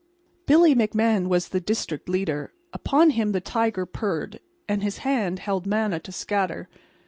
Billy McMahan was the district leader. Upon him the Tiger purred, and his hand held manna to scatter.